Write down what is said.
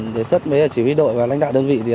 đề xuất với chỉ huy đội và lãnh đạo đơn vị